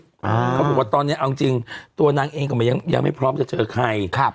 เขาบอกว่าตอนนี้เอาจริงตัวนางเองก็ยังไม่พร้อมจะเจอใครครับ